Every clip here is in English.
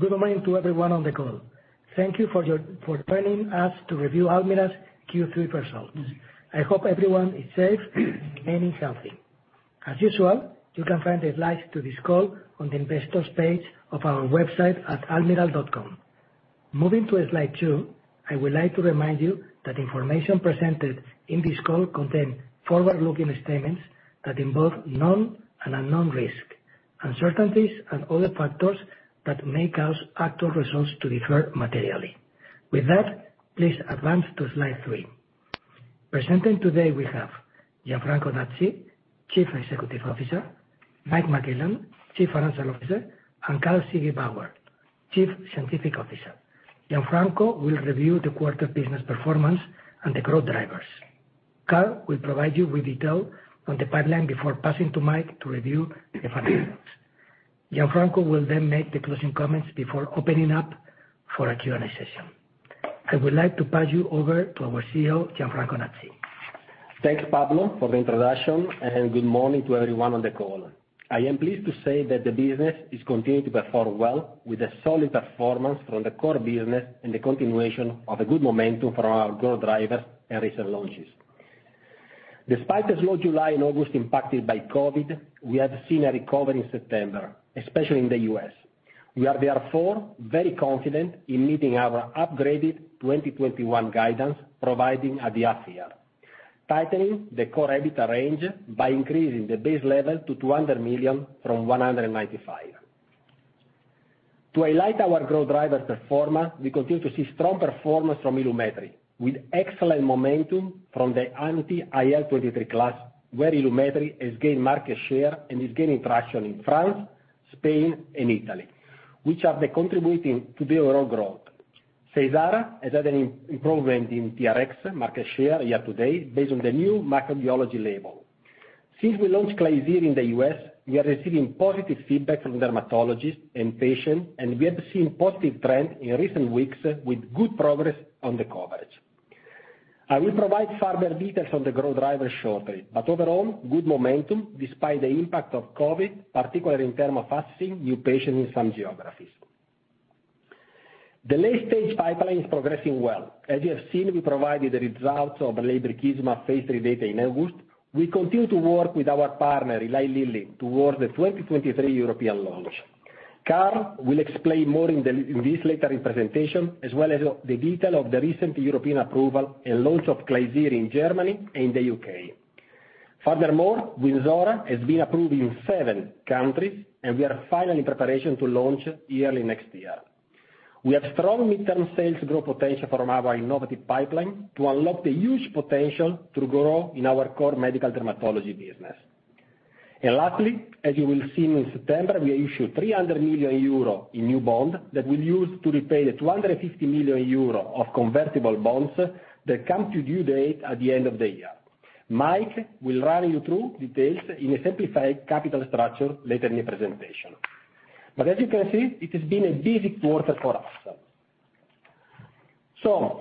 Good morning to everyone on the call. Thank you for joining us to review Almirall's Q3 results. I hope everyone is safe and healthy. As usual, you can find the slides to this call on the investors page of our website at almirall.com. Moving to slide two, I would like to remind you that information presented in this call contains forward-looking statements that involve known and unknown risk, uncertainties, and other factors that may cause actual results to differ materially. With that, please advance to slide three. Presenting today we have Gianfranco Nazzi, Chief Executive Officer, Mike McClellan, Chief Financial Officer, and Karl Ziegelbauer, Chief Scientific Officer. Gianfranco will review the quarter business performance and the growth drivers. Karl will provide you with detail on the pipeline before passing to Mike to review the financials. Gianfranco will then make the closing comments before opening up for a Q&A session. I would like to pass you over to our CEO, Gianfranco Nazzi. Thanks, Pablo, for the introduction, and good morning to everyone on the call. I am pleased to say that the business is continuing to perform well, with a solid performance from the core business and the continuation of a good momentum from our growth drivers and recent launches. Despite a slow July and August impacted by COVID, we have seen a recovery in September, especially in the U.S. We are therefore very confident in meeting our upgraded 2021 guidance provided at the half year, tightening the core EBITDA range by increasing the base level to 200 million from 195 million. To highlight our growth driver performance, we continue to see strong performance from Ilumetri®, with excellent momentum from the anti-IL-23 class, where Ilumetri® has gained market share and is gaining traction in France, Spain, and Italy, which are contributing to the overall growth. Seysara® has had an improvement in TRx market share year to date based on the new microbiology label. Since we launched Klisyri® in the U.S., we are receiving positive feedback from dermatologists and patients, and we have seen positive trends in recent weeks with good progress on the coverage. I will provide further details on the growth driver shortly, but overall, good momentum despite the impact of COVID, particularly in terms of assessing new patients in some geographies. The late-stage pipeline is progressing well. As you have seen, we provided the results of lebrikizumab phase III data in August. We continue to work with our partner, Eli Lilly, towards the 2023 European launch. Karl will explain more in this later presentation, as well as the detail of the recent European approval and launch of Klisyri® in Germany and the U.K. Furthermore, Wynzora® has been approved in seven countries, and we are in final preparation to launch early next year. We have strong midterm sales growth potential from our innovative pipeline to unlock the huge potential to grow in our core medical dermatology business. Lastly, as you will see in September, we issued 300 million euro in new bonds that we'll use to repay the 250 million euro of convertible bonds that come due at the end of the year. Mike will run you through details in a simplified capital structure later in the presentation. As you can see, it has been a busy quarter for us.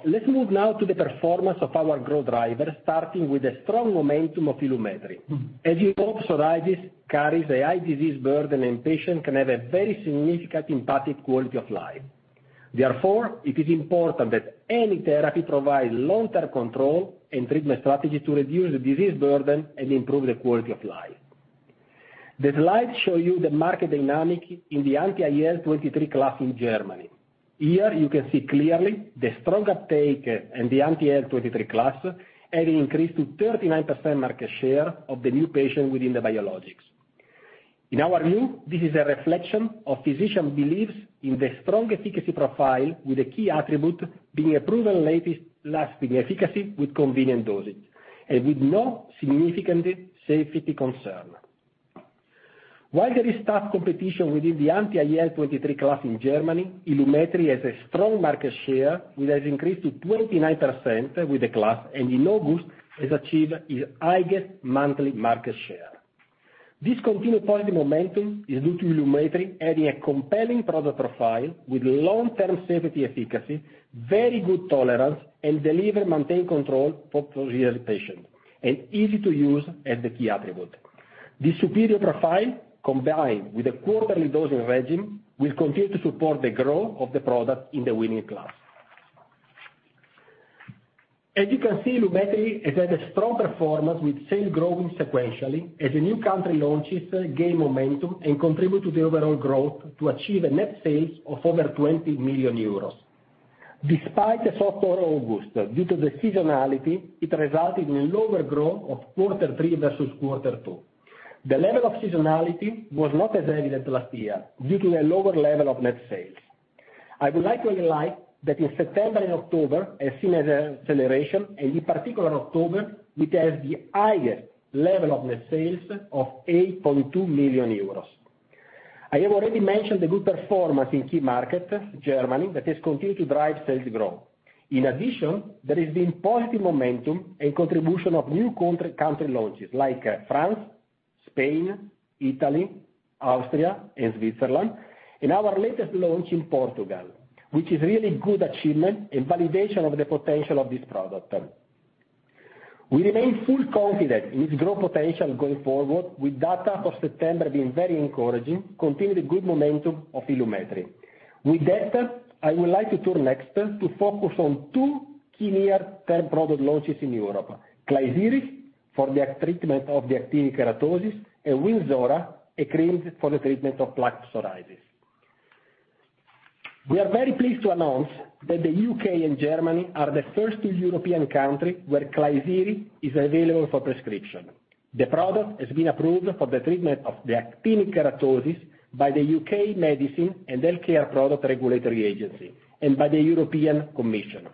Let's move now to the performance of our growth drivers, starting with the strong momentum of Ilumetri®. As you know, psoriasis carries a high disease burden, and patients can have a very significant impact on quality of life. Therefore, it is important that any therapy provide long-term control and treatment strategy to reduce the disease burden and improve the quality of life. The slide shows you the market dynamics in the anti-IL-23 class in Germany. Here you can see clearly the strong uptake in the anti-IL-23 class, and increase to 39% market share of the new patients within the biologics. In our view, this is a reflection of physician beliefs in the strong efficacy profile with a key attribute being a proven long-lasting efficacy with convenient dosage and with no significant safety concern. While there is tough competition within the anti-IL-23 class in Germany, Ilumetri® has a strong market share which has increased to 29% within the class, and in August has achieved its highest monthly market share. This continued positive momentum is due to Ilumetri® having a compelling product profile with long-term safety and efficacy, very good tolerance, and delivery of maintained control for psoriasis patients, and ease of use as the key attribute. This superior profile, combined with a quarterly dosing regimen, will continue to support the growth of the product in the winning class. As you can see, Ilumetri® has had a strong performance with sales growing sequentially as the new country launches gain momentum and contribute to the overall growth to achieve net sales of over 20 million euros. Despite a softer August, due to the seasonality, it resulted in lower growth of Q3 versus Q2. The level of seasonality was not as evident last year due to a lower level of net sales. I would like to highlight that in September and October, we've seen an acceleration, and in particular October, which has the highest level of net sales of 8.2 million euros. I have already mentioned the good performance in key markets, Germany, that has continued to drive sales growth. In addition, there has been positive momentum and contribution of new country launches like France, Spain, Italy, Austria, and Switzerland, and our latest launch in Portugal, which is really good achievement and validation of the potential of this product. We remain fully confident in its growth potential going forward with data for September being very encouraging, continuing the good momentum of Ilumetri®. With that, I would like to turn next to focus on two key near-term product launches in Europe, Klisyri® for the treatment of actinic keratosis, and Wynzora®, a cream for the treatment of plaque psoriasis. We are very pleased to announce that the U.K. and Germany are the first two European countries where Klisyri® is available for prescription. The product has been approved for the treatment of actinic keratosis by the U.K. Medicines and Healthcare products Regulatory Agency and by the European Commission.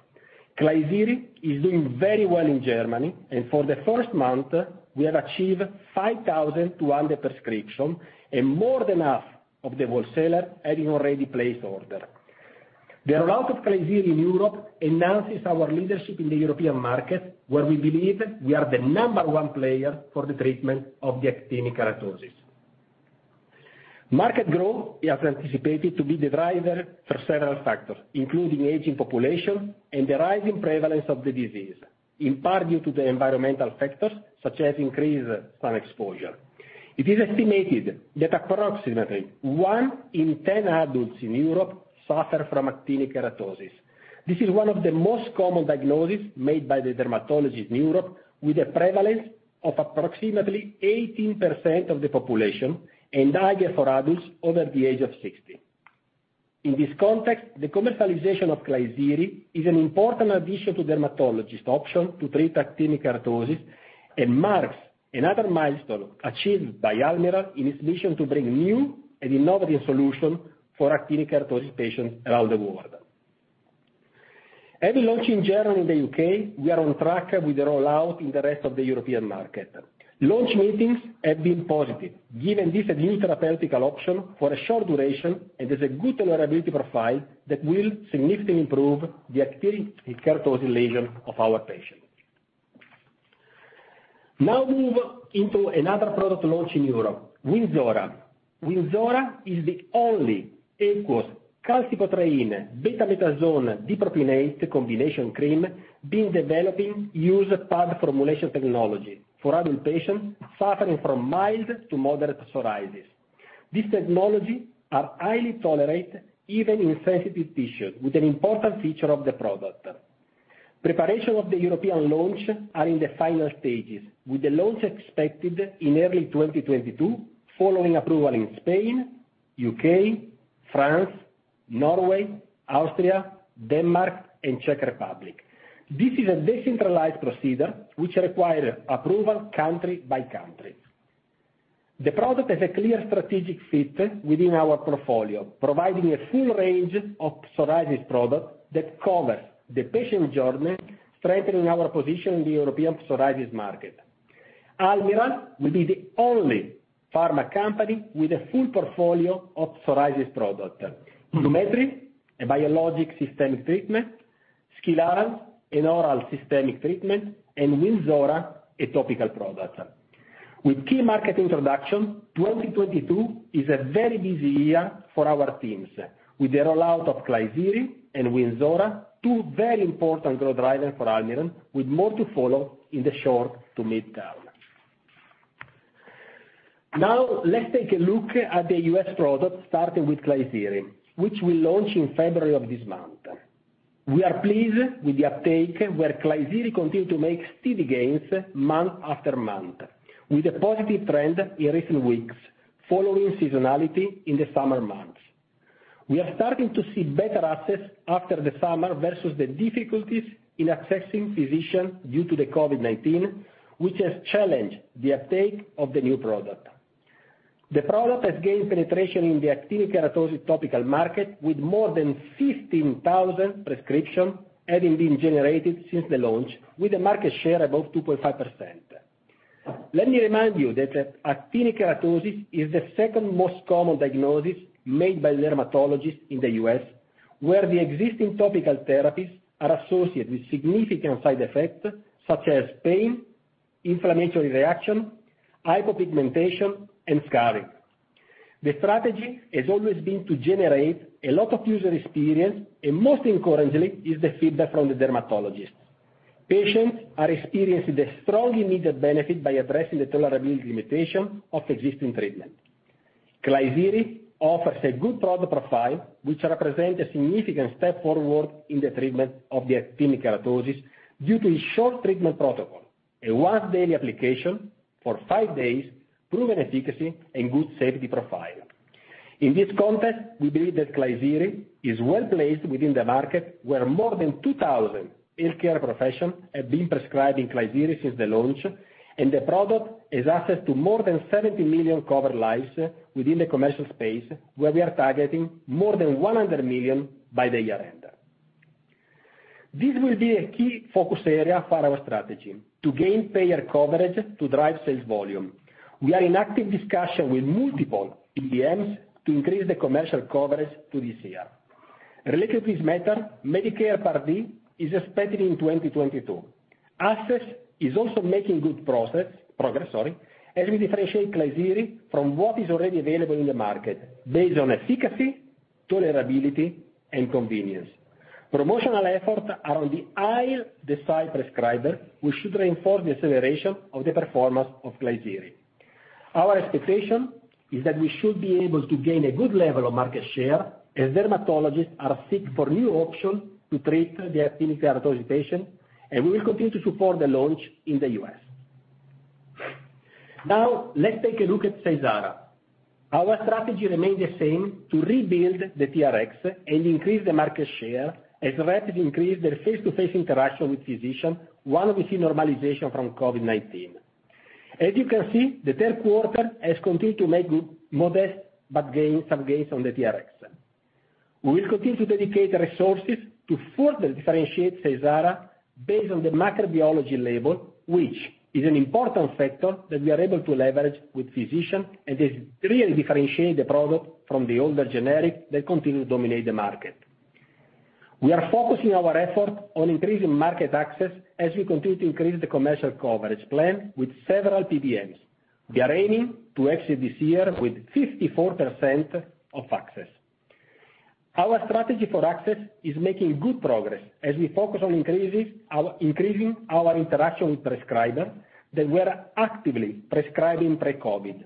Klisyri® is doing very well in Germany, and for the first month, we have achieved 5,200 prescriptions, and more than half of the wholesalers having already placed orders. The rollout of Klisyri® in Europe enhances our leadership in the European market, where we believe we are the number one player for the treatment of actinic keratosis. Market growth is anticipated to be the driver for several factors, including aging population and the rising prevalence of the disease, in part due to the environmental factors such as increased sun exposure. It is estimated that approximately one in 10 adults in Europe suffer from actinic keratosis. This is one of the most common diagnoses made by the dermatologists in Europe, with a prevalence of approximately 18% of the population, and higher for adults over the age of 60. In this context, the commercialization of Klisyri® is an important addition to dermatologists' option to treat actinic keratosis, and marks another milestone achieved by Almirall in its mission to bring new and innovative solutions for actinic keratosis patients around the world. At the launch in Germany and the U.K., we are on track with the rollout in the rest of the European market. Launch meetings have been positive, given this is a new therapeutic option for a short duration, and there's a good tolerability profile that will significantly improve the actinic keratosis lesions of our patients. Now moving to another product launch in Europe, Wynzora®. Wynzora® is the only aqueous calcipotriene betamethasone dipropionate combination cream being developed using PAD formulation technology for adult patients suffering from mild to moderate psoriasis. This technology is highly tolerated, even in sensitive tissues, with an important feature of the product. Preparations for the European launch are in the final stages, with the launch expected in early 2022, following approval in Spain, U.K., France, Norway, Austria, Denmark, and Czech Republic. This is a decentralized procedure which requires approval country by country. The product has a clear strategic fit within our portfolio, providing a full range of psoriasis products that covers the patient journey, strengthening our position in the European psoriasis market. Almirall will be the only pharma company with a full portfolio of psoriasis products, Ilumetri®, a biologic systemic treatment, Skilarence, an oral systemic treatment, and Wynzora®, a topical product. With key market introduction, 2022 is a very busy year for our teams. With the rollout of Klisyri® and Wynzora®, two very important growth drivers for Almirall, with more to follow in the short to mid-term. Now, let's take a look at the US products, starting with Klisyri®, which we launched in February of this month. We are pleased with the uptake, where Klisyri® continued to make steady gains month after month, with a positive trend in recent weeks following seasonality in the summer months. We are starting to see better access after the summer versus the difficulties in accessing physicians due to the COVID-19, which has challenged the uptake of the new product. The product has gained penetration in the actinic keratosis topical market with more than 15,000 prescriptions having been generated since the launch, with a market share above 2.5%. Let me remind you that, actinic keratosis is the second most common diagnosis made by dermatologists in the U.S., where the existing topical therapies are associated with significant side effects such as pain, inflammatory reaction, hypopigmentation, and scarring. The strategy has always been to generate a lot of user experience, and most encouragingly is the feedback from the dermatologists. Patients are experiencing the strong immediate benefit by addressing the tolerability limitation of existing treatment. Klisyri® offers a good product profile, which represent a significant step forward in the treatment of actinic keratosis due to a short treatment protocol, a once-daily application for five days, proven efficacy, and good safety profile. In this context, we believe that Klisyri® is well-placed within the market, where more than 2,000 healthcare professionals have been prescribing Klisyri® since the launch, and the product is accessed to more than 70 million covered lives within the commercial space, where we are targeting more than 100 million by the year-end. This will be a key focus area for our strategy, to gain payer coverage to drive sales volume. We are in active discussion with multiple PBMs to increase the commercial coverage to this year. Related to this matter, Medicare Part D is expected in 2022. Access is also making good progress as we differentiate Klisyri® from what is already available in the market based on efficacy, tolerability and convenience. Promotional efforts are on the high-decile prescribers which should reinforce the acceleration of the performance of Klisyri®. Our expectation is that we should be able to gain a good level of market share as dermatologists are seeking new options to treat actinic keratosis, and we will continue to support the launch in the U.S. Now, let's take a look at Seysara®. Our strategy remains the same to rebuild the TRx and increase the market share as we actively increase our face-to-face interaction with physicians, once we see normalization from COVID-19. As you can see, the third quarter has continued to make modest gains on the TRx. We will continue to dedicate resources to further differentiate Seysara® based on the microbiology label, which is an important factor that we are able to leverage with physicians and has really differentiate the product from the older generic that continue to dominate the market. We are focusing our effort on increasing market access as we continue to increase the commercial coverage plan with several PBMs. We are aiming to exit this year with 54% of access. Our strategy for access is making good progress as we focus on increasing our interaction with prescribers that were actively prescribing pre-COVID.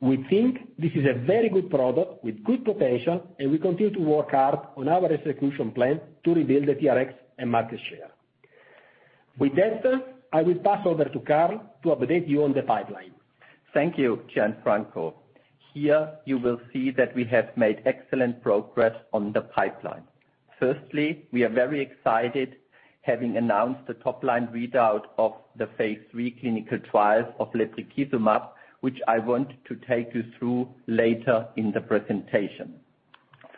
We think this is a very good product with good potential, and we continue to work hard on our execution plan to rebuild the TRx and market share. With that said, I will pass over to Karl to update you on the pipeline. Thank you, Gianfranco. Here, you will see that we have made excellent progress on the pipeline. Firstly, we are very excited having announced the top-line readout of the phase III clinical trials of lebrikizumab, which I want to take you through later in the presentation.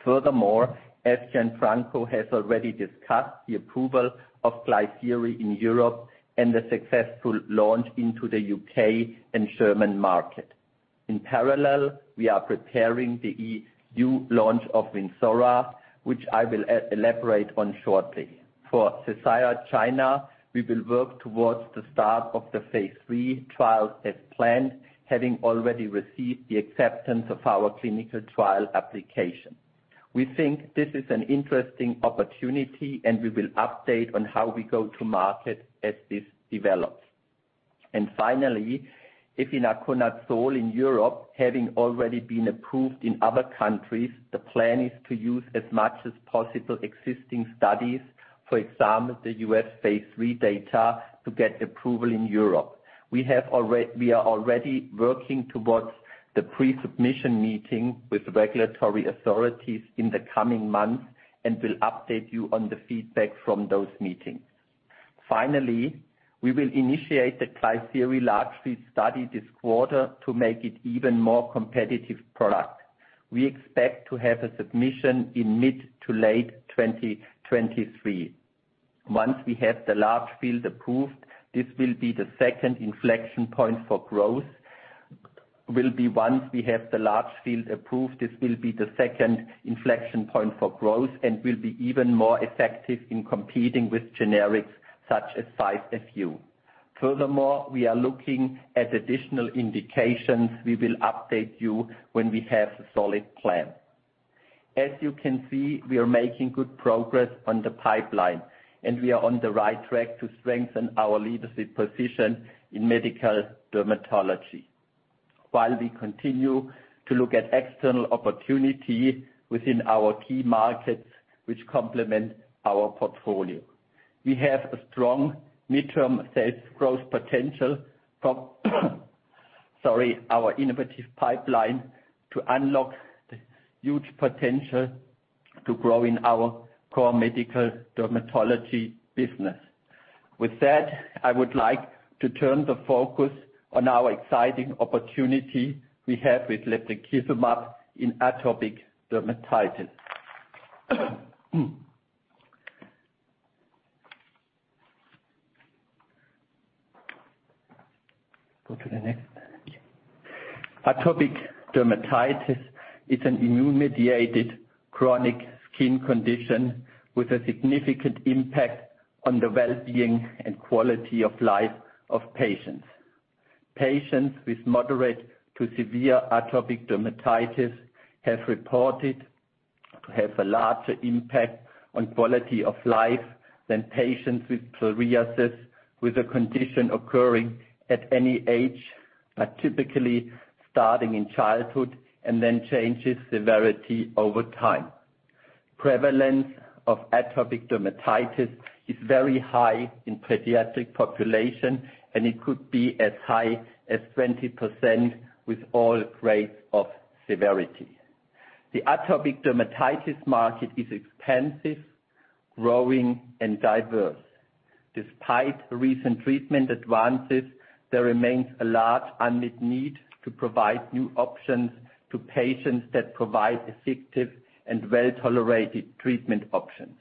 Furthermore, as Gianfranco has already discussed, the approval of Klisyri® in Europe and the successful launch into the U.K. and German market. In parallel, we are preparing the EU launch of Wynzora®, which I will elaborate on shortly. For Seysara® China, we will work towards the start of the phase III trial as planned, having already received the acceptance of our clinical trial application. We think this is an interesting opportunity, and we will update on how we go to market as this develops. Finally, efinaconazole in Europe, having already been approved in other countries, the plan is to use as much as possible existing studies, for example, the U.S. phase III data to get approval in Europe. We are already working towards the pre-submission meeting with regulatory authorities in the coming months and will update you on the feedback from those meetings. Finally, we will initiate a Klisyri® label expansion study this quarter to make it even more competitive product. We expect to have a submission in mid to late 2023. Once we have the label expansion approved, this will be the second inflection point for growth and will be even more effective in competing with generics such as 5-FU. Furthermore, we are looking at additional indications. We will update you when we have a solid plan. As you can see, we are making good progress on the pipeline, and we are on the right track to strengthen our leadership position in medical dermatology, while we continue to look at external opportunity within our key markets which complement our portfolio. We have a strong mid-term sales growth potential from, sorry, our innovative pipeline to unlock the huge potential to grow in our core medical dermatology business. With that, I would like to turn the focus on our exciting opportunity we have with lebrikizumab in atopic dermatitis. Go to the next. Atopic dermatitis is an immune-mediated chronic skin condition with a significant impact on the well-being and quality of life of patients. Patients with moderate to severe atopic dermatitis have reported to have a larger impact on quality of life than patients with psoriasis, with a condition occurring at any age, but typically starting in childhood and then changes severity over time. Prevalence of atopic dermatitis is very high in pediatric population, and it could be as high as 20% with all rates of severity. The atopic dermatitis market is expansive, growing, and diverse. Despite recent treatment advances, there remains a large unmet need to provide new options to patients that provide effective and well-tolerated treatment options.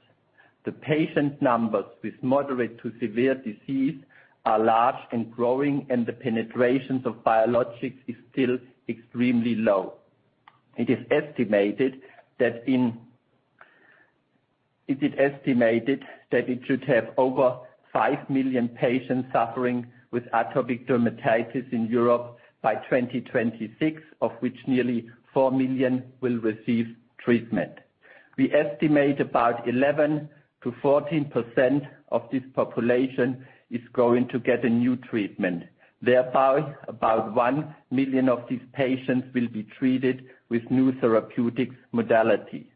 The patient numbers with moderate to severe disease are large and growing, and the penetrations of biologics is still extremely low. It is estimated that it should have over five million patients suffering with atopic dermatitis in Europe by 2026, of which nearly four million will receive treatment. We estimate about 11%-14% of this population is going to get a new treatment. Therefore, about one million of these patients will be treated with new therapeutic modalities.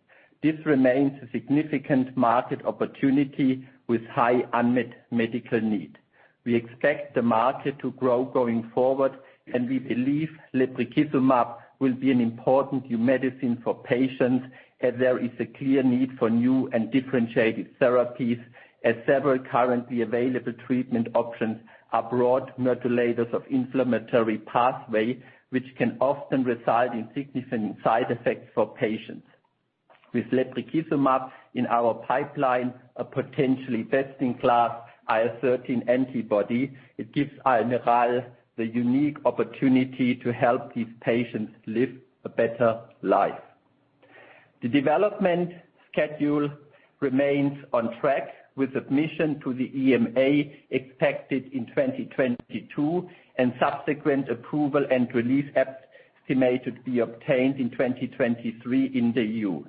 This remains a significant market opportunity with high unmet medical need. We expect the market to grow going forward, and we believe lebrikizumab will be an important new medicine for patients, as there is a clear need for new and differentiated therapies, as several currently available treatment options are broad modulators of inflammatory pathway, which can often result in significant side effects for patients. With lebrikizumab in our pipeline, a potentially best-in-class IL-13 antibody, it gives Almirall the unique opportunity to help these patients live a better life. The development schedule remains on track, with submission to the EMA expected in 2022, and subsequent approval and launch estimated to be obtained in 2023 in the EU.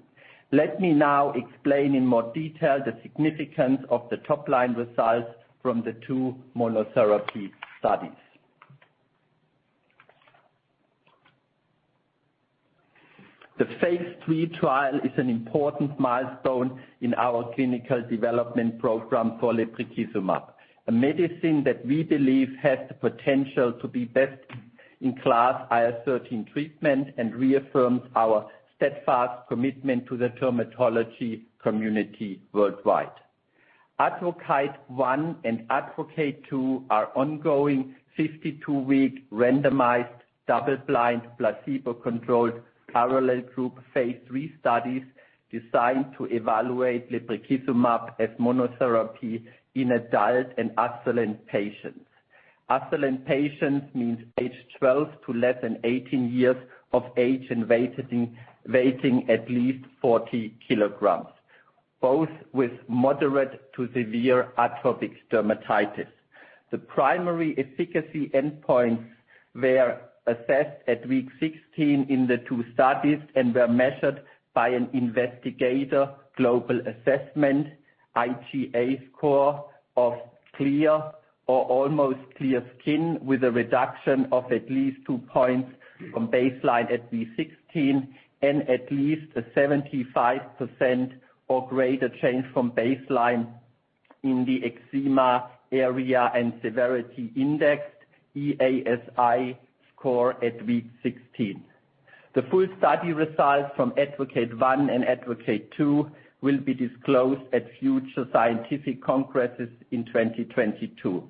Let me now explain in more detail the significance of the top-line results from the two monotherapy studies. The phase III trial is an important milestone in our clinical development program for lebrikizumab, a medicine that we believe has the potential to be best-in-class IL-13 treatment and reaffirms our steadfast commitment to the dermatology community worldwide. ADvocate 1 and ADvocate 2 are ongoing 52-week randomized double-blind placebo-controlled parallel group phase III studies, designed to evaluate lebrikizumab as monotherapy in adult and adolescent patients. Adolescent patients means age 12 to less than 18 years of age and weighing at least 40 kilograms, both with moderate to severe atopic dermatitis. The primary efficacy endpoints were assessed at week 16 in the two studies and were measured by an investigator global assessment, IGA score of clear or almost clear skin, with a reduction of at least 2 points from baseline at week 16 and at least a 75% or greater change from baseline in the Eczema Area and Severity Index, EASI score at week 16. The full study results from ADvocate 1 and ADvocate 2 will be disclosed at future scientific congresses in 2022.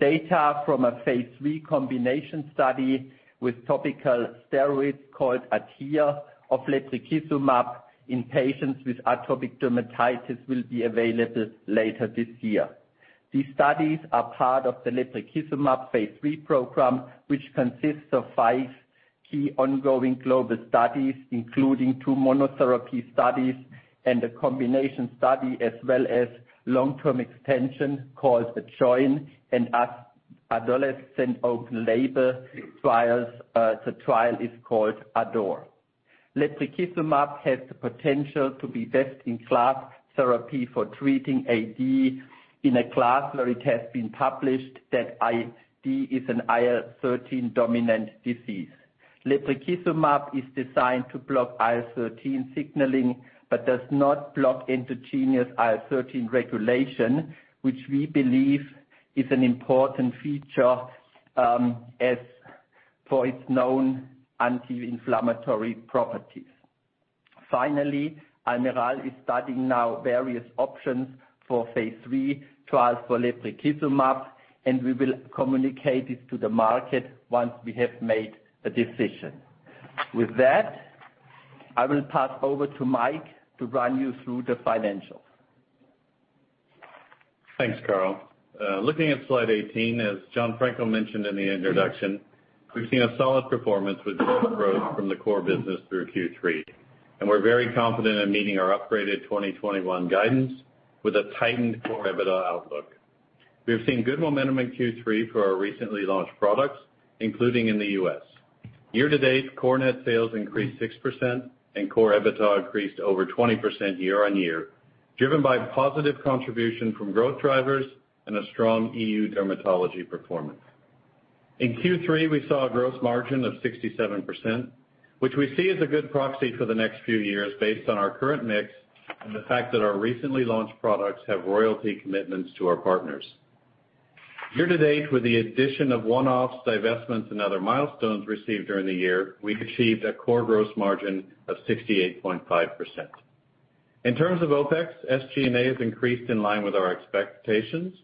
Data from a phase III combination study with topical steroids, called ADhere of lebrikizumab in patients with atopic dermatitis, will be available later this year. These studies are part of the lebrikizumab phase III program, which consists of five key ongoing global studies, including two monotherapy studies and a combination study, as well as long-term extension, called ADjoin, and adolescent open label trials, the trial is called ADore. Lebrikizumab has the potential to be best-in-class therapy for treating AD in a class where it has been published that AD is an IL-13-dominant disease. Lebrikizumab is designed to block IL-13 signaling but does not block endogenous IL-13 regulation, which we believe is an important feature, as for its known anti-inflammatory properties. Finally, Almirall is studying now various options for phase III trials for lebrikizumab, and we will communicate it to the market once we have made a decision. With that, I will pass over to Mike to run you through the financials. Thanks, Karl. Looking at slide 18, as Gianfranco mentioned in the introduction, we've seen a solid performance with good growth from the core business through Q3. We're very confident in meeting our upgraded 2021 guidance with a tightened core EBITDA outlook. We have seen good momentum in Q3 for our recently launched products, including in the U.S. Year-to-date, core net sales increased 6% and core EBITDA increased over 20% year-on-year, driven by positive contribution from growth drivers and a strong EU dermatology performance. In Q3, we saw a gross margin of 67%, which we see as a good proxy for the next few years based on our current mix and the fact that our recently launched products have royalty commitments to our partners. Year-to-date, with the addition of one-offs, divestments, and other milestones received during the year, we've achieved a core gross margin of 68.5%. In terms of OpEx, SG&A has increased in line with our expectations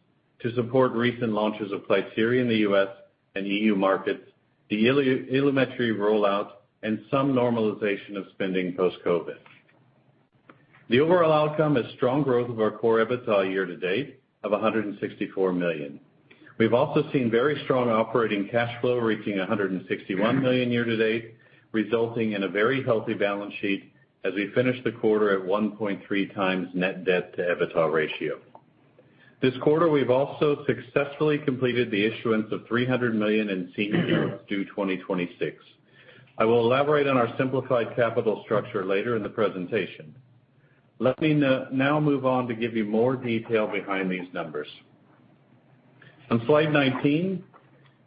to support recent launches of Klisyri® in the U.S. and EU markets, the Ebglyss rollout, and some normalization of spending post-COVID. The overall outcome is strong growth of our core EBITDA year-to-date of 164 million. We've also seen very strong operating cash flow reaching 161 million year-to-date, resulting in a very healthy balance sheet as we finish the quarter at 1.3x net debt to EBITDA ratio. This quarter, we've also successfully completed the issuance of 300 million in seniors due 2026. I will elaborate on our simplified capital structure later in the presentation. Let me now move on to give you more detail behind these numbers. On slide 19,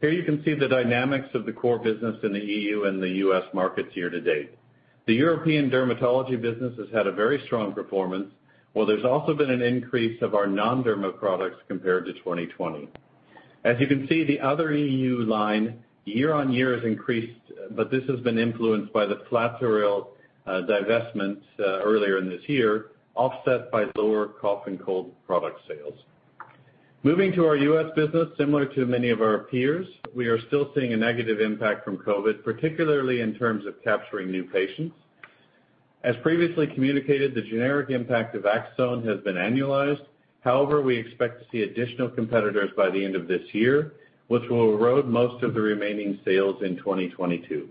here you can see the dynamics of the core business in the EU and the U.S. markets year-to-date. The European dermatology business has had a very strong performance, while there's also been an increase of our non-derma products compared to 2020. As you can see, the other EU line year-on-year has increased, but this has been influenced by the Flatoril divestment earlier in this year, offset by lower cough and cold product sales. Moving to our U.S. business, similar to many of our peers, we are still seeing a negative impact from COVID, particularly in terms of capturing new patients. As previously communicated, the generic impact of ACZONE® has been annualized. However, we expect to see additional competitors by the end of this year, which will erode most of the remaining sales in 2022.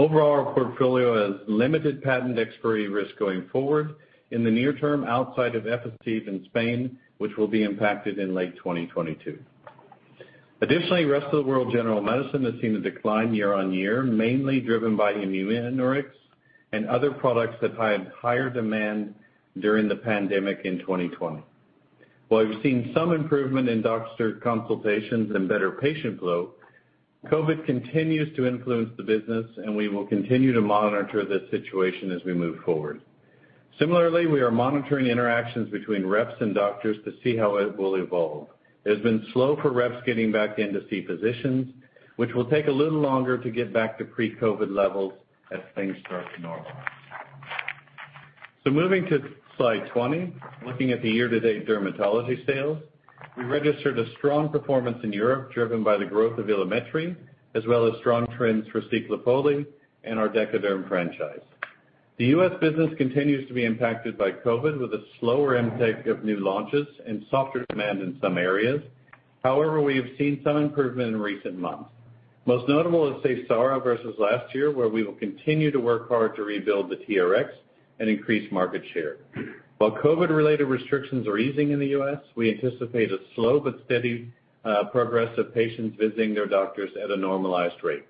Overall, our portfolio has limited patent expiry risk going forward in the near term outside of Ebastel in Spain, which will be impacted in late 2022. Additionally, Rest of the World General Medicine has seen a decline year-on-year, mainly driven by Immunoryx and other products that had higher demand during the pandemic in 2020. While we've seen some improvement in doctor consultations and better patient flow, COVID continues to influence the business and we will continue to monitor the situation as we move forward. Similarly, we are monitoring interactions between reps and doctors to see how it will evolve. It has been slow for reps getting back in to see physicians, which will take a little longer to get back to pre-COVID levels as things start to normalize. Moving to slide 20, looking at the year-to-date dermatology sales, we registered a strong performance in Europe driven by the growth of Ilumetri®, as well as strong trends for Ciclopoli and our Decoderm franchise. The U.S. business continues to be impacted by COVID with a slower intake of new launches and softer demand in some areas. However, we have seen some improvement in recent months. Most notable is Seysara® versus last year, where we will continue to work hard to rebuild the TRx and increase market share. While COVID-related restrictions are easing in the U.S., we anticipate a slow but steady progress of patients visiting their doctors at a normalized rate.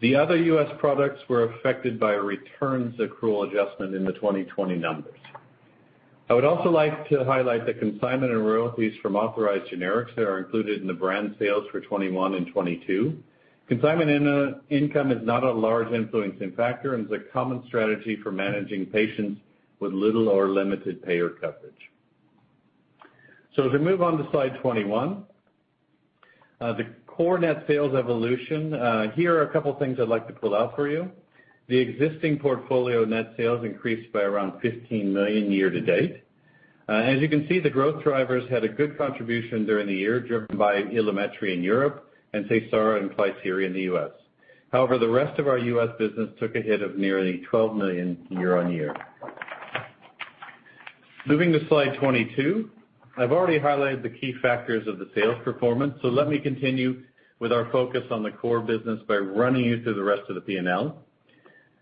The other US products were affected by a returns accrual adjustment in the 2020 numbers. I would also like to highlight the consignment and royalties from authorized generics that are included in the brand sales for 2021 and 2022. Consignment income is not a large influencing factor and is a common strategy for managing patients with little or limited payer coverage. As we move on to slide 21, the core net sales evolution, here are a couple of things I'd like to pull out for you. The existing portfolio net sales increased by around 15 million year-to-date. As you can see, the growth drivers had a good contribution during the year, driven by Ilumetri® in Europe and Seysara® and Klisyri® in the US. However, the rest of our US business took a hit of nearly 12 million year-on-year. Moving to slide 22. I've already highlighted the key factors of the sales performance, so let me continue with our focus on the core business by running you through the rest of the P&L.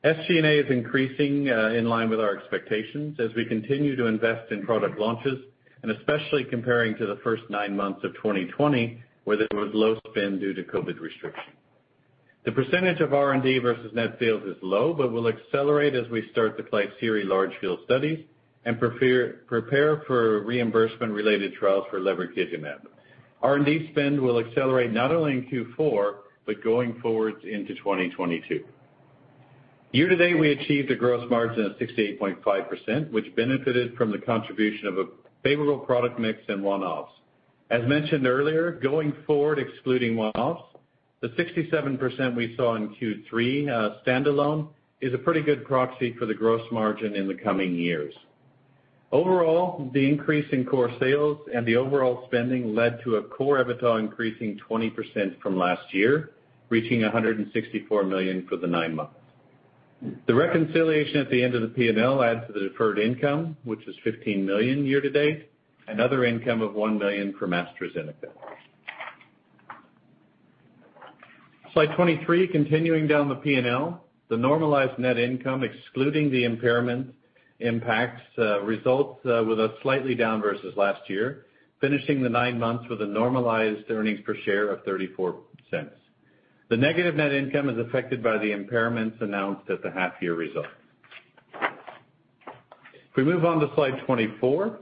SG&A is increasing in line with our expectations as we continue to invest in product launches and especially comparing to the first nine months of 2020, where there was low spend due to COVID restrictions. The percentage of R&D versus net sales is low, but will accelerate as we start the Klisyri® large field studies and prepare for reimbursement related trials for lebrikizumab. R&D spend will accelerate not only in Q4, but going forward into 2022. Year-to-date, we achieved a gross margin of 68.5%, which benefited from the contribution of a favorable product mix and one-offs. As mentioned earlier, going forward, excluding one-offs, the 67% we saw in Q3 standalone is a pretty good proxy for the gross margin in the coming years. Overall, the increase in core sales and the overall spending led to a core EBITDA increasing 20% from last year, reaching 164 million for the nine months. The reconciliation at the end of the P&L adds to the deferred income, which is 15 million year-to-date, another income of 1 million from AstraZeneca. Slide 23, continuing down the P&L, the normalized net income, excluding the impairment impacts, results in a slightly down versus last year, finishing the nine months with a normalized earnings per share of 0.34. The negative net income is affected by the impairments announced at the half-year results. If we move on to slide 24,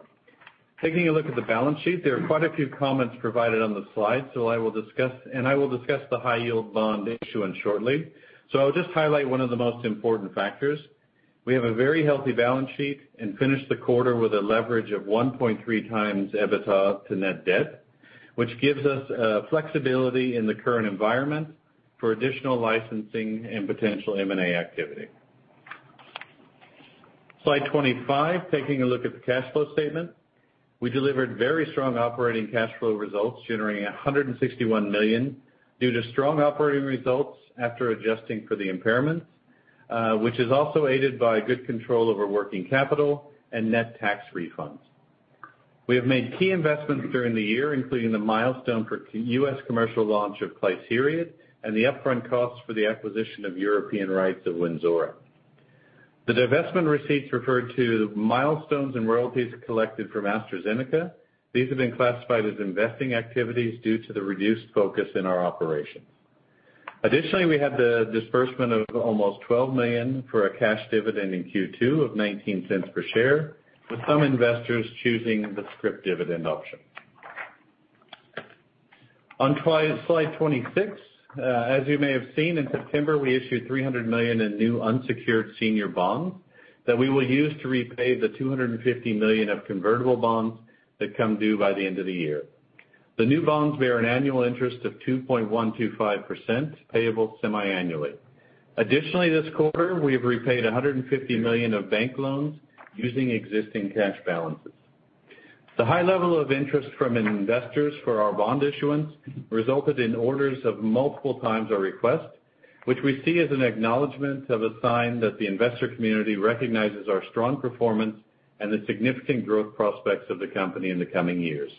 taking a look at the balance sheet, there are quite a few comments provided on the slide, so I will discuss the high yield bond issuance shortly. I'll just highlight one of the most important factors. We have a very healthy balance sheet and finished the quarter with a leverage of 1.3x EBITDA to net debt, which gives us flexibility in the current environment for additional licensing and potential M&A activity. Slide 25, taking a look at the cash flow statement. We delivered very strong operating cash flow results, generating 161 million due to strong operating results after adjusting for the impairments, which is also aided by good control over working capital and net tax refunds. We have made key investments during the year, including the milestone for US commercial launch of Klisyri® and the upfront costs for the acquisition of European rights of Wynzora®. The divestment receipts referred to milestones and royalties collected from AstraZeneca. These have been classified as investing activities due to the reduced focus in our operations. Additionally, we have the disbursement of almost 12 million for a cash dividend in Q2 of 0.19 per share, with some investors choosing the scrip dividend option. On slide 26, as you may have seen, in September, we issued 300 million in new unsecured senior bonds that we will use to repay the 250 million of convertible bonds that come due by the end of the year. The new bonds bear an annual interest of 2.125%, payable semiannually. Additionally, this quarter, we have repaid 150 million of bank loans using existing cash balances. The high level of interest from investors for our bond issuance resulted in orders of multiple times our request, which we see as an acknowledgement of a sign that the investor community recognizes our strong performance and the significant growth prospects of the company in the coming years.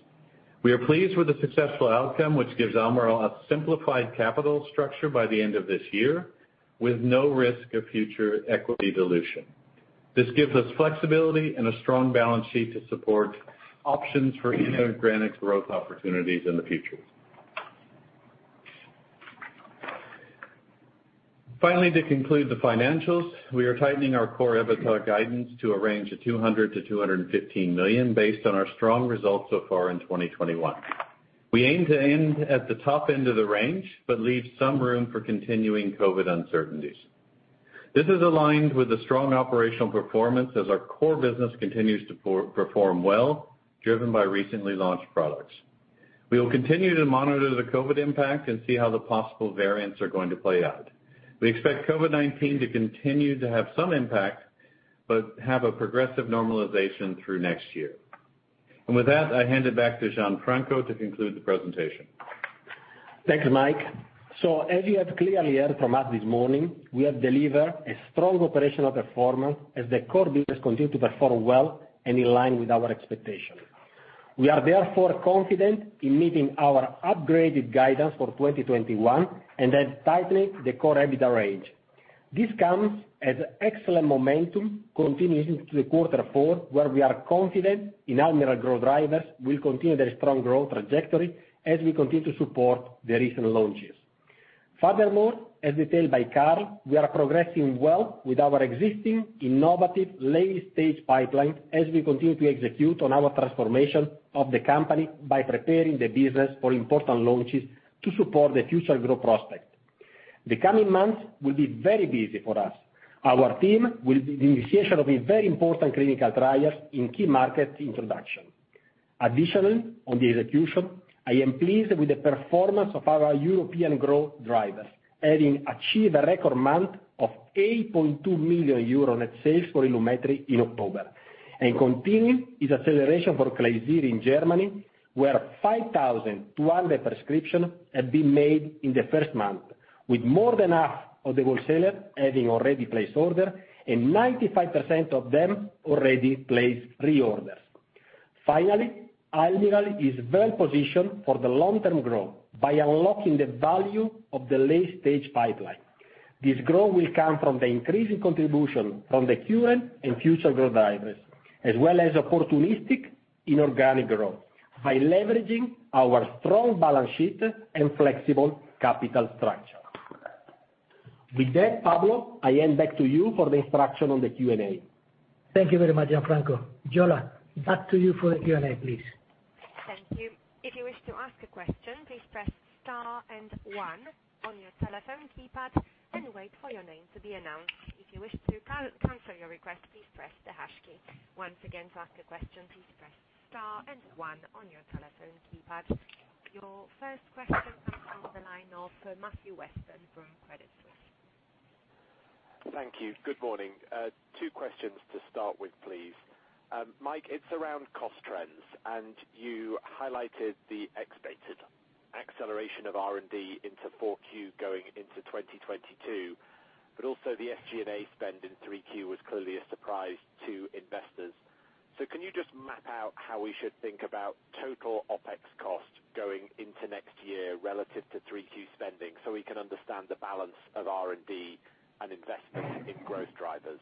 We are pleased with the successful outcome, which gives Almirall a simplified capital structure by the end of this year with no risk of future equity dilution. This gives us flexibility and a strong balance sheet to support options for inorganic growth opportunities in the future. Finally, to conclude the financials, we are tightening our core EBITDA guidance to a range of 200 million-215 million based on our strong results so far in 2021. We aim to end at the top end of the range, but leave some room for continuing COVID uncertainties. This is aligned with the strong operational performance as our core business continues to perform well, driven by recently launched products. We will continue to monitor the COVID impact and see how the possible variants are going to play out. We expect COVID-19 to continue to have some impact, but have a progressive normalization through next year. With that, I hand it back to Gianfranco to conclude the presentation. Thanks, Mike. As you have clearly heard from us this morning, we have delivered a strong operational performance as the core business continue to perform well and in line with our expectations. We are therefore confident in meeting our upgraded guidance for 2021 and then tightening the core EBITDA range. This comes as excellent momentum continues into the Q4, where we are confident in Almirall growth drivers will continue their strong growth trajectory as we continue to support the recent launches. Furthermore, as detailed by Karl, we are progressing well with our existing innovative late-stage pipeline as we continue to execute on our transformation of the company by preparing the business for important launches to support the future growth prospect. The coming months will be very busy for us. Our team will be initiating a very important clinical trials in key market introduction. Additionally, on the execution, I am pleased with the performance of our European growth drivers, having achieved a record month of 8.2 million euro net sales for Ilumetri® in October. Continuing its acceleration for Klisyri® in Germany, where 5,200 prescriptions have been made in the first month, with more than half of the wholesalers having already placed orders, and 95% of them already placed reorders. Finally, Almirall is well positioned for the long-term growth by unlocking the value of the late-stage pipeline. This growth will come from the increasing contribution from the current and future growth drivers, as well as opportunistic inorganic growth by leveraging our strong balance sheet and flexible capital structure. With that, Pablo, I hand back to you for the introduction on the Q&A. Thank you very much, Gianfranco. Giola, back to you for the Q&A, please. Thank you. If you wish to ask a question, please press star and one on your telephone keypad, and wait for your name to be announced. If you wish to cancel your request, please press the hash key. Once again, to ask a question, please press star and one on your telephone keypad. Your first question comes on the line of Matthew Weston from Credit Suisse. Thank you. Good morning. Two questions to start with, please. Mike, it's around cost trends, and you highlighted the expected acceleration of R&D into Q4 going into 2022, but also the SG&A spend in Q3 was clearly a surprise to investors. Can you just map out how we should think about total OpEx cost going into next year relative to Q3 spending so we can understand the balance of R&D and investment in growth drivers?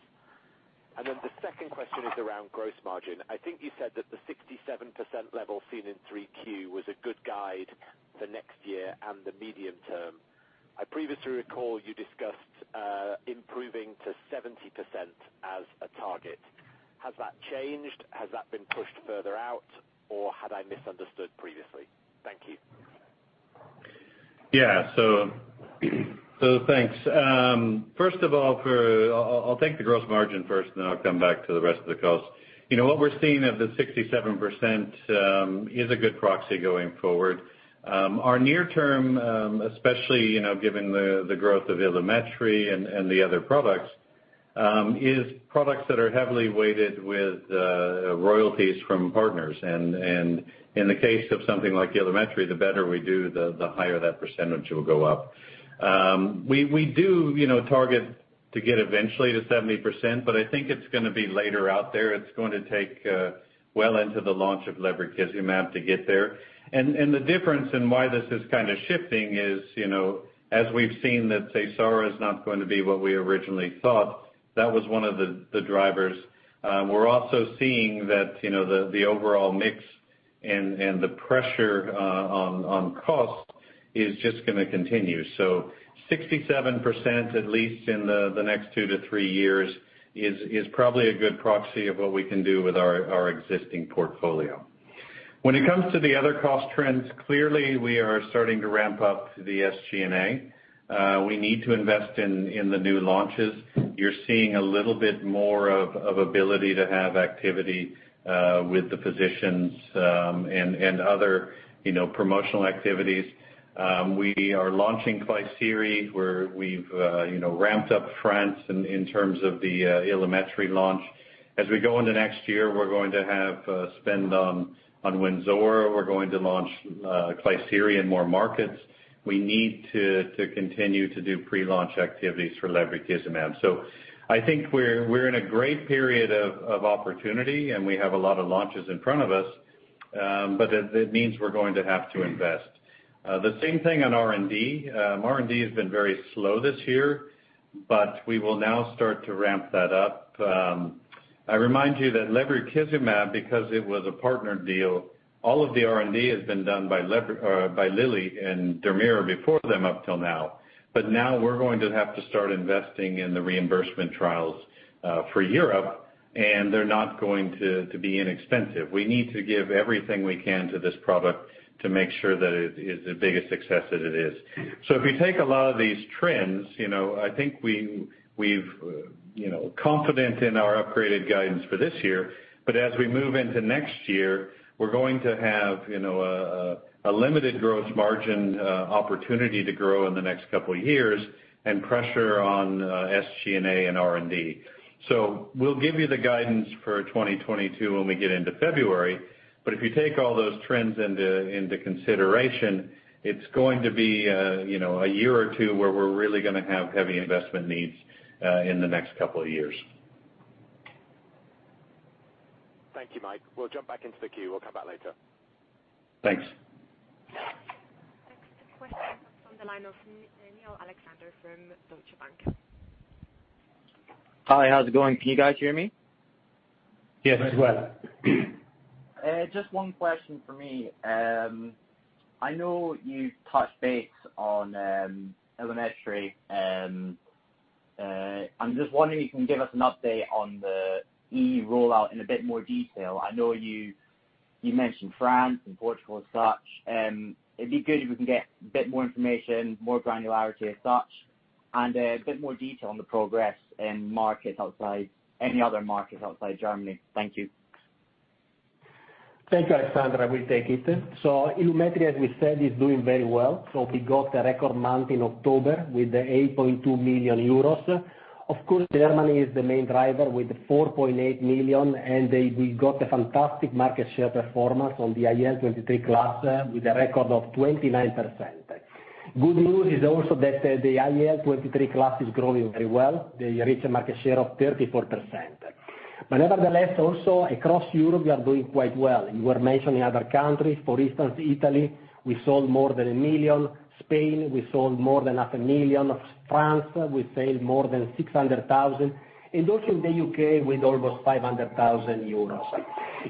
Then the second question is around gross margin. I think you said that the 67% level seen in Q3 was a good guide for next year and the medium term. I previously recall you discussed improving to 70% as a target. Has that changed? Has that been pushed further out, or had I misunderstood previously? Thank you. Thanks. First of all, I'll take the gross margin first, then I'll come back to the rest of the costs. You know, what we're seeing of the 67% is a good proxy going forward. Our near term, especially, you know, given the growth of Ilumetri® and the other products is products that are heavily weighted with royalties from partners. In the case of something like the Ilumetri®, the better we do, the higher that percentage will go up. You know, we do target to get eventually to 70%, but I think it's going to be later out there. It's going to take well into the launch of lebrikizumab to get there. The difference in why this is kind of shifting is, you know, as we've seen that Seysara® is not going to be what we originally thought, that was one of the drivers. We're also seeing that, you know, the overall mix and the pressure on cost is just going to continue. 67%, at least in the next two to three years, is probably a good proxy of what we can do with our existing portfolio. When it comes to the other cost trends, clearly we are starting to ramp up the SG&A. We need to invest in the new launches. You're seeing a little bit more of ability to have activity with the physicians and other, you know, promotional activities. We are launching Klisyri®, where we've you know ramped up in France in terms of the Ilumetri® launch. As we go into next year, we're going to have to spend on Wynzora®. We're going to launch Klisyri® in more markets. We need to continue to do pre-launch activities for lebrikizumab. I think we're in a great period of opportunity, and we have a lot of launches in front of us. It means we're going to have to invest. The same thing on R&D. R&D has been very slow this year, but we will now start to ramp that up. I remind you that lebrikizumab, because it was a partner deal, all of the R&D has been done by Lilly and Dermira before them up till now. Now we're going to have to start investing in the reimbursement trials for Europe, and they're not going to be inexpensive. We need to give everything we can to this product to make sure that it is the biggest success that it is. If you take a lot of these trends, you know, I think we're confident in our upgraded guidance for this year. As we move into next year, we're going to have, you know, a limited gross margin opportunity to grow in the next couple of years and pressure on SG&A and R&D. We'll give you the guidance for 2022 when we get into February. If you take all those trends into consideration, it's going to be, you know, a year or two where we're really going to have heavy investment needs in the next couple of years. Thank you, Mike. We'll jump back into the queue. We'll come back later. Thanks. Next question comes on the line of Niall Alexander from Deutsche Bank. Hi, how's it going? Can you guys hear me? Yes, well. Just one question for me. I know you touched base on Ilumetri®. I'm just wondering if you can give us an update on the EU rollout in a bit more detail. I know you mentioned France and Portugal as such. It'd be good if we can get a bit more information, more granularity as such, and a bit more detail on the progress in markets outside, any other markets outside Germany. Thank you. Thank you, Alexander. I will take it. Illumetri, as we said, is doing very well. We got a record month in October with 8.2 million euros. Of course, Germany is the main driver with 4.8 million, and we got a fantastic market share performance on the IL-23 class with a record of 29%. Good news is also that, the IL-23 class is growing very well. They reach a market share of 34%. Nevertheless, also across Europe, we are doing quite well. You were mentioning other countries, for instance, Italy, we sold more than 1 million. Spain, we sold more than half a million EUR. France, we sell more than 600,000 EUR. Also in the U.K. with almost 500,000 euros.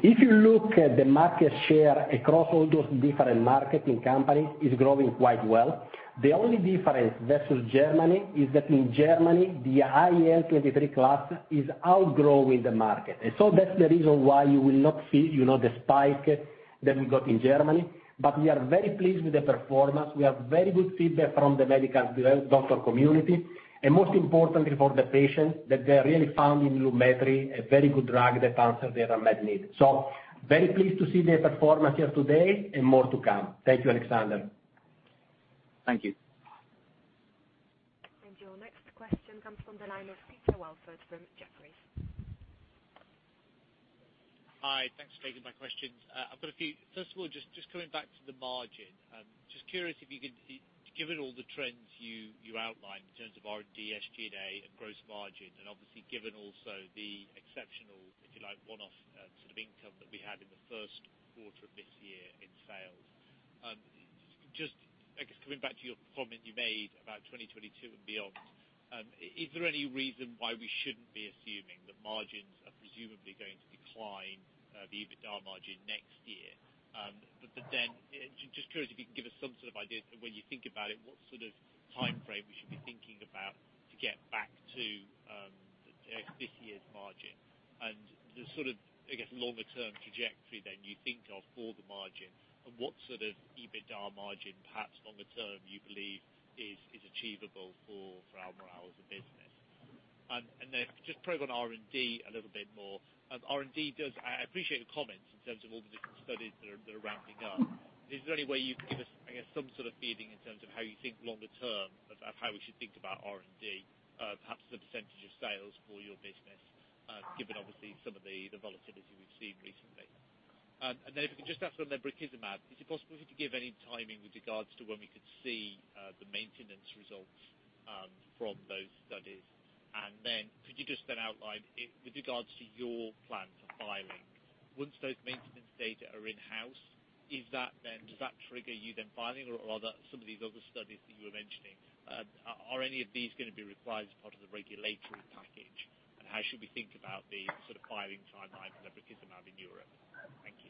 If you look at the market share across all those different marketing companies is growing quite well. The only difference versus Germany is that in Germany, the IL-23 class is outgrowing the market. That's the reason why you will not see, you know, the spike that we got in Germany. We are very pleased with the performance. We have very good feedback from the medical doctor community, and most importantly for the patients that they really found in Ilumetri® a very good drug that answers their unmet need. Very pleased to see the performance here today and more to come. Thank you, Alexander. Thank you. Your next question comes from the line of Peter Welford from Jefferies. Hi. Thanks for taking my questions. I've got a few. First of all, just coming back to the margin. Just curious if you can, given all the trends you outlined in terms of R&D, SG&A, and gross margin, and obviously given also the exceptional, if you like, one-off sort of income that we had in the first quarter of this year in sales. Just, I guess coming back to your comment you made about 2022 and beyond, is there any reason why we shouldn't be assuming that margins are presumably going to decline the EBITDA margin next year? Then just curious if you can give us some sort of idea when you think about it, what sort of timeframe we should be thinking about to get back to this year's margin? The sort of, I guess, longer term trajectory that you think of for the margin, and what sort of EBITDA margin, perhaps longer term, you believe is achievable for Almirall as a business? Then just probe on R&D a little bit more. I appreciate your comments in terms of all the different studies that are ramping up. Is there any way you can give us, I guess, some sort of feeling in terms of how you think longer term about how we should think about R&D, perhaps the percentage of sales for your business, given obviously some of the volatility we've seen recently? Then if you can just ask on lebrikizumab, is it possible for you to give any timing with regards to when we could see the maintenance results from those studies? Could you just then outline it with regards to your plan for filing. Once those maintenance data are in-house, does that trigger you then filing or some of these other studies that you were mentioning? Are any of these going to be required as part of the regulatory package? How should we think about the sort of filing timeline for lebrikizumab in Europe? Thank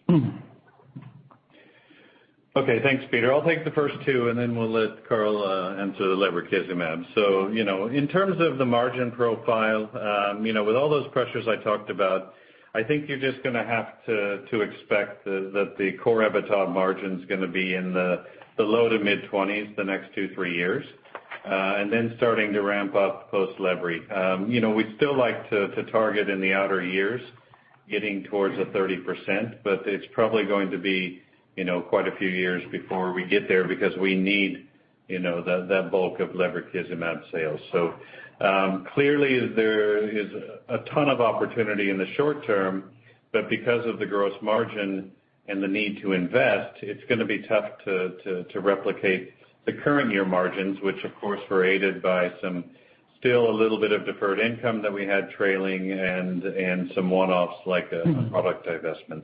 you. Okay, thanks, Peter. I'll take the first two, and then we'll let Karl answer the lebrikizumab. You know, in terms of the margin profile, with all those pressures I talked about, I think you're just going to have to expect that the core EBITDA margin's going to be in the low to mid-20s% the next two, three years, and then starting to ramp up post lebrikizumab. You know, we still like to target in the outer years getting towards a 30%, but it's probably going to be quite a few years before we get there because we need that bulk of lebrikizumab sales. Clearly there is a ton of opportunity in the short term, but because of the gross margin and the need to invest, it's going to be tough to replicate the current year margins, which of course were aided by some still a little bit of deferred income that we had trailing and some one-offs like product divestment.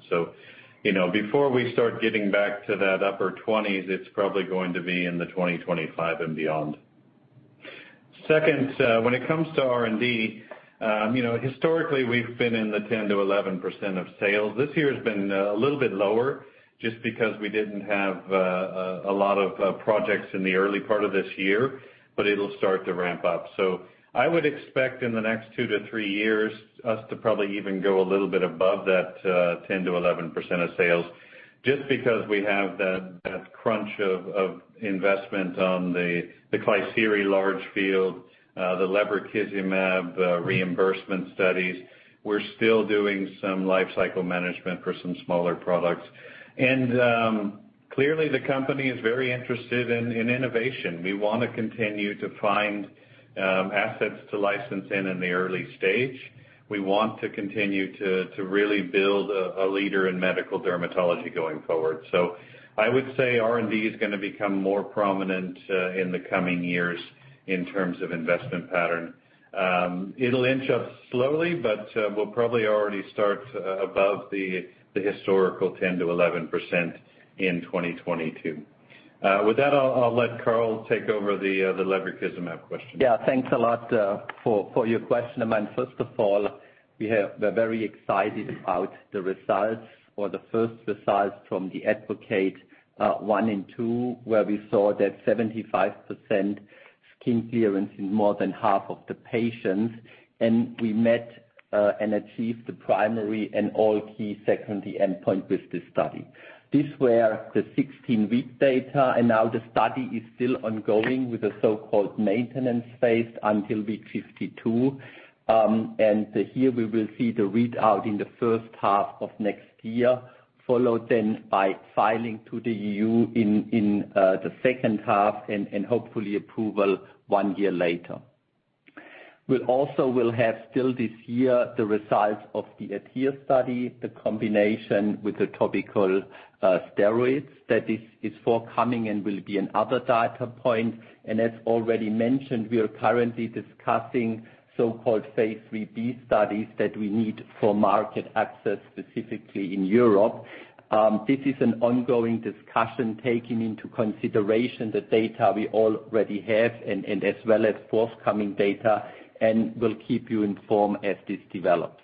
You know, before we start getting back to that upper 20s, it's probably going to be in the 2025 and beyond. Second, when it comes to R&D, you know, historically we've been in the 10%-11% of sales. This year has been a little bit lower just because we didn't have a lot of projects in the early part of this year, but it'll start to ramp up. I would expect in the next two to three years us to probably even go a little bit above that 10%-11% of sales just because we have that crunch of investment on the Klisyri® launch field, the lebrikizumab reimbursement studies. We're still doing some life cycle management for some smaller products. Clearly the company is very interested in innovation. We want to continue to find assets to license in the early stage. We want to continue to really build a leader in medical dermatology going forward. I would say R&D is going to become more prominent in the coming years in terms of investment pattern. It'll inch up slowly, but we'll probably already start above the historical 10%-11% in 2022. With that, I'll let Karl take over the lebrikizumab question. Yeah. Thanks a lot for your question. I mean, first of all, we're very excited about the results or the first results from the ADvocate 1 and ADvocate 2, where we saw that 75% skin clearance in more than half of the patients, and we met and achieved the primary and all key secondary endpoint with this study. These were the 16-week data, and now the study is still ongoing with the so-called maintenance phase until week 52. Here we will see the readout in the first half of next year, followed then by filing to the EU in the second half and hopefully approval one year later. We also will have still this year the results of the ADhere study, the combination with the topical steroids that is forthcoming and will be another data point. As already mentioned, we are currently discussing so-called phase III b studies that we need for market access, specifically in Europe. This is an ongoing discussion taking into consideration the data we already have and as well as forthcoming data, and we'll keep you informed as this develops.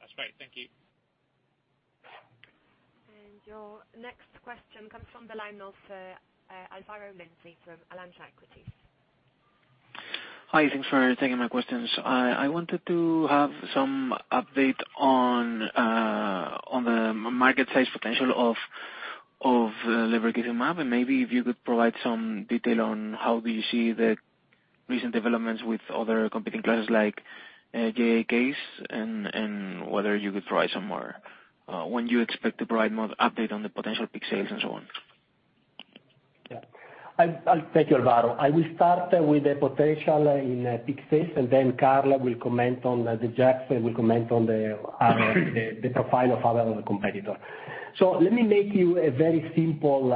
That's great. Thank you. Your next question comes from the line of Álvaro Lenze from Alantra Equities. Hi. Thanks for taking my questions. I wanted to have some update on the market size potential of lebrikizumab, and maybe if you could provide some detail on how do you see the recent developments with other competing classes like JAKs and whether you could try some more when you expect to provide more update on the potential peak sales and so on? Yeah. I'll thank you, Álvaro. I will start with the potential in peak sales, and then Karl will comment on the JAKs and will comment on the profile of other competitor. Let me make you a very simple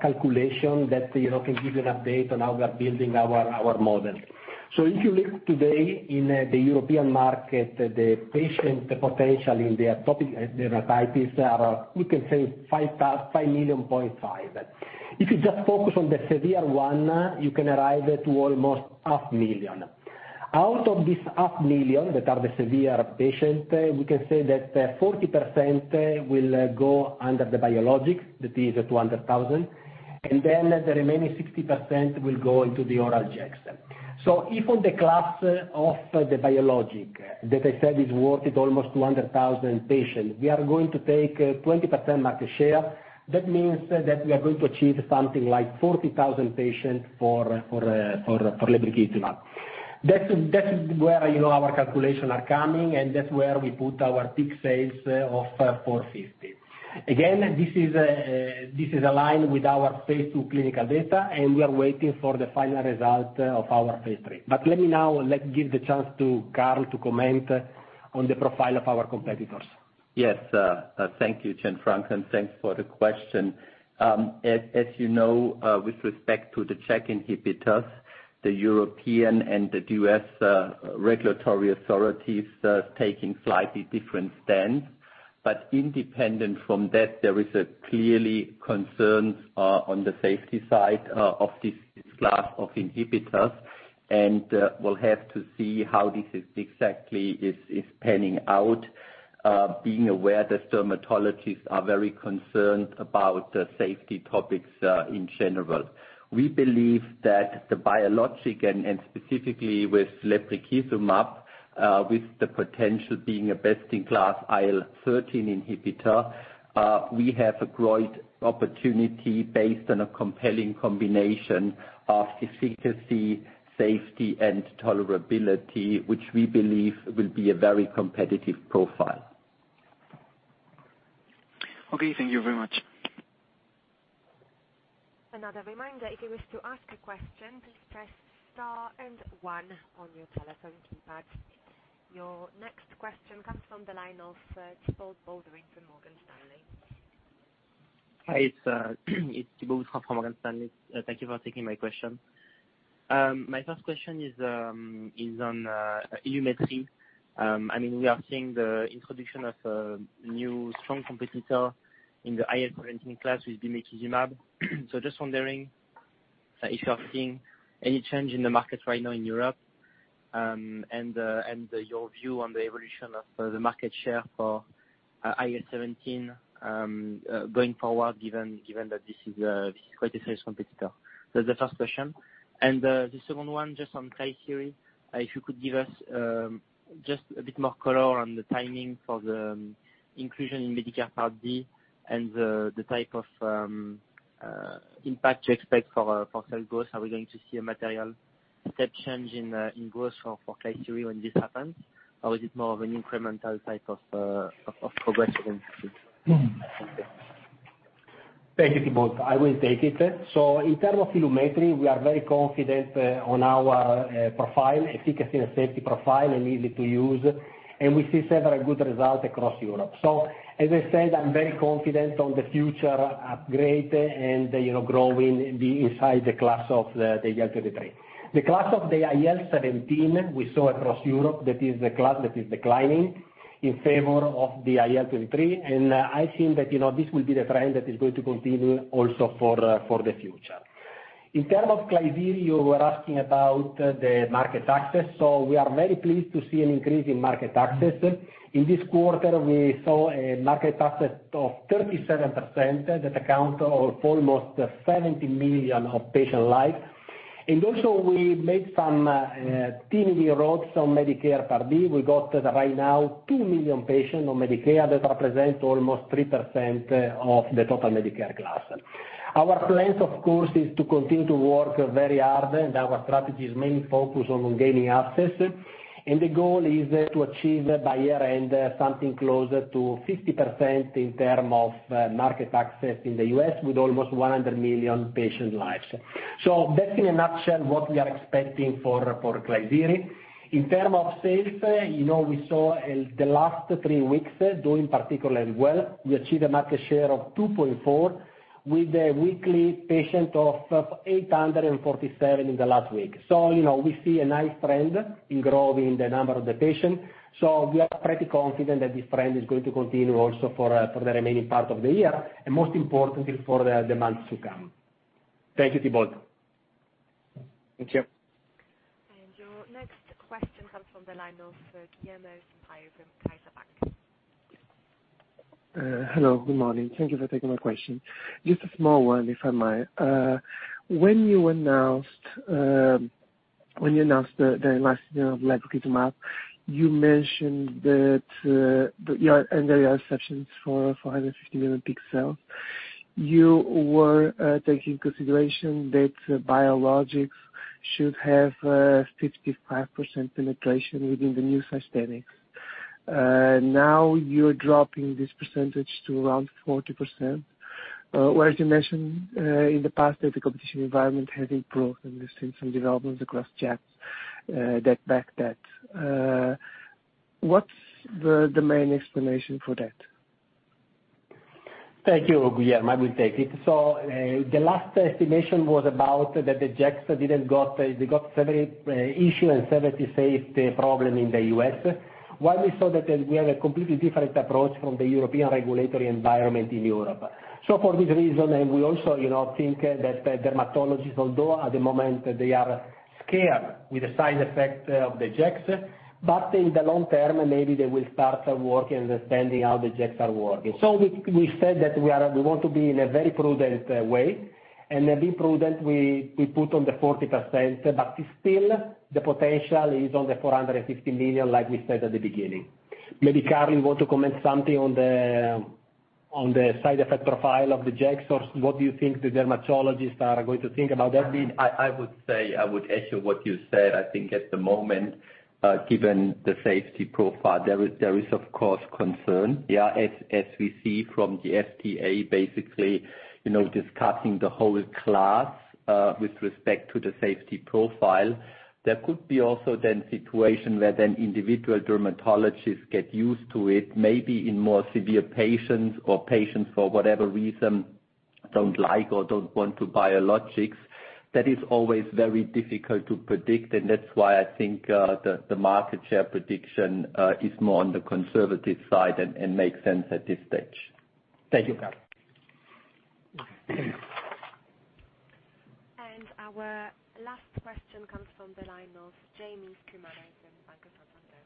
calculation that can give you an update on how we are building our model. If you look today in the European market, the patient potential in the atopic dermatitis are, we can say 5.5 million. If you just focus on the severe one, you can arrive to almost half million. Out of this half million that are the severe patient, we can say that 40% will go under the biologics. That is 200,000. Then the remaining 60% will go into the oral JAKs. If on the class of the biologic that I said is worth it almost 200,000 patients, we are going to take 20% market share. That means that we are going to achieve something like 40,000 patients for lebrikizumab. That is where, you know, our calculation are coming, and that's where we put our peak sales of 450 million. Again, this is aligned with our phase II clinical data, and we are waiting for the final result of our phase III. Let me give the chance to Karl to comment on the profile of our competitors. Yes, thank you, Gianfranco, and thanks for the question. As you know, with respect to the JAK inhibitors, the European and the U.S. regulatory authorities are taking slightly different stance. Independent from that, there is a clear concern on the safety side of this class of inhibitors. We'll have to see how this is exactly panning out, being aware that dermatologists are very concerned about the safety topics in general. We believe that the biologic and specifically with lebrikizumab, with the potential being a best-in-class IL-13 inhibitor, we have a great opportunity based on a compelling combination of efficacy, safety, and tolerability, which we believe will be a very competitive profile. Okay, thank you very much. Another reminder. If you wish to ask a question, please press star and one on your telephone keypad. Your next question comes from the line of Thibault Boutherin from Morgan Stanley. Hi, it's Thibault from Morgan Stanley. Thank you for taking my question. My first question is on Ilumetri®. I mean, we are seeing the introduction of a new strong competitor in the IL-23 class with bimekizumab. Just wondering if you are seeing any change in the market right now in Europe, and your view on the evolution of the market share for IL-17 going forward, given that this is quite a serious competitor. That's the first question. The second one, just on Klisyri®, if you could give us just a bit more color on the timing for the inclusion in Medicare Part D and the type of impact you expect for sales growth. Are we going to see a material step change in growth for Klisyri® when this happens? Or is it more of an incremental type of progression? Thank you. Thank you, Thibault. I will take it. In terms of Ilumetri®, we are very confident on our efficacy and safety profile, and easy to use, and we see several good results across Europe. As I said, I'm very confident on the future upgrade and, you know, growing inside the class of the IL-23. The class of the IL-17 we saw across Europe, that is the class that is declining in favor of the IL-23. I think that, you know, this will be the trend that is going to continue also for the future. In terms of Klisyri®, you were asking about the market access. We are very pleased to see an increase in market access. In this quarter, we saw a market access of 37% that accounts for almost 70 million patient lives. We made some inroads on Medicare Part D. We got right now two million patients on Medicare. That represent almost 3% of the total Medicare class. Our plans, of course, is to continue to work very hard, and our strategy is mainly focused on gaining access. The goal is to achieve by year-end something closer to 50% in terms of market access in the U.S. with almost 100 million patient lives. That's in a nutshell what we are expecting for Klisyri®. In terms of sales, you know, we saw the last three weeks doing particularly well. We achieved a market share of 2.4 with a weekly patient of 847 in the last week. You know, we see a nice trend in growing the number of the patient. We are pretty confident that this trend is going to continue also for the remaining part of the year and most importantly for the months to come. Thank you, Thibault. Thank you. Your next question comes from the line of Guilherme Sampaio from CaixaBank. Hello, good morning. Thank you for taking my question. Just a small one, if I may. When you announced the last, you know, lebrikizumab, you mentioned that your end-of-year assumptions for EUR 450 million peak sales, you were taking into consideration that biologics should have 55% penetration within the new sustains. Now you're dropping this percentage to around 40%, whereas you mentioned in the past that the competition environment has improved and we've seen some developments across JAKs that backed that. What's the main explanation for that? Thank you, Guilherme. I will take it. The last estimation was about that they got severe issue and serious safety problem in the U.S., while we saw that we have a completely different approach from the European regulatory environment in Europe. For this reason, and we also, you know, think that the dermatologists, although at the moment they are scared with the side effects of the JAKs, but in the long term, maybe they will start working, understanding how the JAKs are working. We said that we want to be in a very prudent way, and being prudent, we put on the 40%, but still the potential is on the 450 million like we said at the beginning. Maybe, Karl, you want to comment something on the side effect profile of the JAKs or what do you think the dermatologists are going to think about that? I mean, I would say, I would echo what you said. I think at the moment, given the safety profile, there is of course concern. Yeah, as we see from the FDA, basically, you know, discussing the whole class, with respect to the safety profile. There could be also then situation where then individual dermatologists get used to it, maybe in more severe patients or patients for whatever reason. Don't like or don't want to biologics. That is always very difficult to predict, and that's why I think the market share prediction is more on the conservative side and makes sense at this stage. Thank you, Karl. Our last question comes from the line of Jaime Escribano from Banco Santander.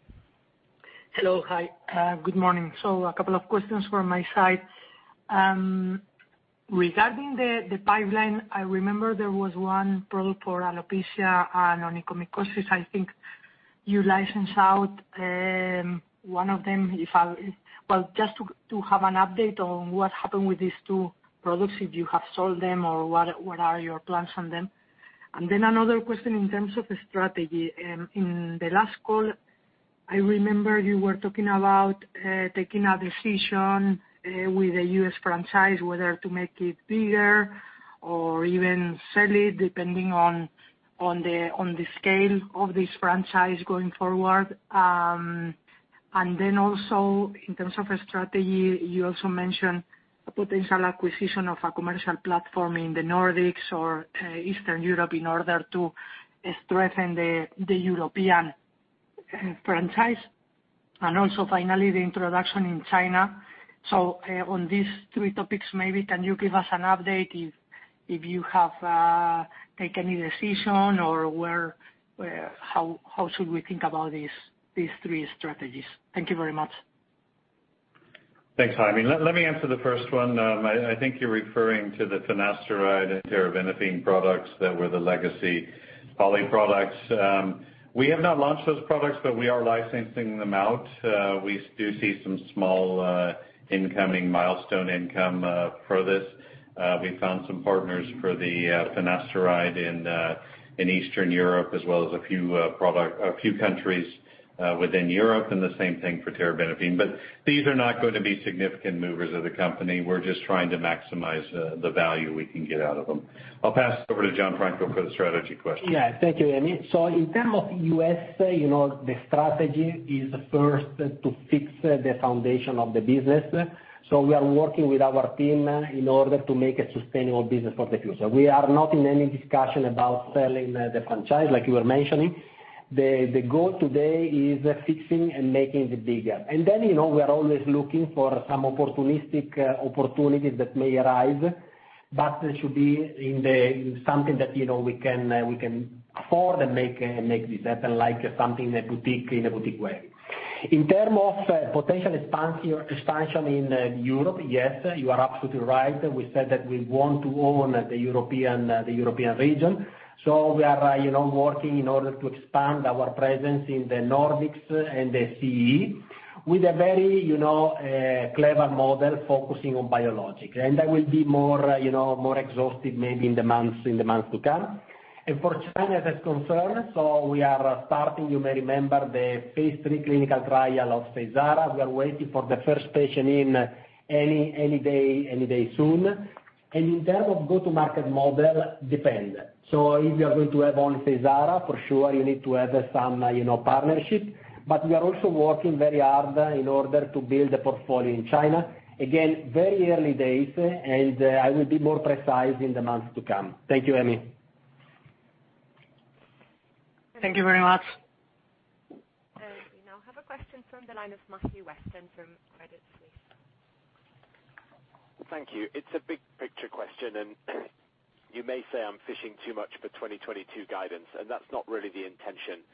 Hello. Hi. Good morning. A couple of questions from my side. Regarding the pipeline, I remember there was one product for alopecia and onychomycosis. I think you licensed out one of them. But just to have an update on what happened with these two products, if you have sold them, or what are your plans on them? Another question in terms of the strategy. In the last call, I remember you were talking about taking a decision with the U.S. franchise, whether to make it bigger or even sell it depending on the scale of this franchise going forward. In terms of a strategy, you also mentioned a potential acquisition of a commercial platform in the Nordics or Eastern Europe in order to strengthen the European franchise. Finally, the introduction in China. On these three topics, maybe can you give us an update if you have made any decision or how should we think about these three strategies? Thank you very much. Thanks, Jaime. Let me answer the first one. I think you're referring to the finasteride and terbinafine products that were the legacy Poli products. We have not launched those products, but we are licensing them out. We do see some small incoming milestone income for this. We found some partners for the finasteride in Eastern Europe, as well as a few countries within Europe, and the same thing for terbinafine. These are not going to be significant movers of the company. We're just trying to maximize the value we can get out of them. I'll pass this over to Gianfranco for the strategy question. Yeah. Thank you, Jaime. In terms of the U.S., you know, the strategy is first to fix the foundation of the business. We are working with our team in order to make a sustainable business for the future. We are not in any discussion about selling the franchise, like you were mentioning. The goal today is fixing and making it bigger. You know, we are always looking for some opportunistic opportunities that may arise, but it should be something that, you know, we can afford and make this happen, like something in a boutique way. In terms of potential expansion in Europe, yes, you are absolutely right. We said that we want to own the European region, so we are, you know, working in order to expand our presence in the Nordics and the CEE with a very, you know, clever model focusing on biologic. That will be more, you know, more exhaustive maybe in the months to come. For China is concerned, we are starting, you may remember, the phase III clinical trial of Seysara®. We are waiting for the first patient in any day soon. In term of go-to-market model, depend. If you are going to have only Seysara®, for sure, you need to have some, you know, partnership. We are also working very hard in order to build a portfolio in China. Again, very early days, and I will be more precise in the months to come. Thank you, Jaime. Thank you very much. We now have a question from the line of Matthew Weston from Credit Suisse. Thank you. It's a big picture question, and you may say I'm fishing too much for 2022 guidance, and that's not really the intention.